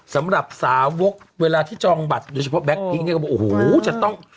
สำหรับสาวกเวลาที่จองบัตรโดยเฉพาะแบ็คพิ้งเนี่ยก็บอกโอ้โหจะต้อง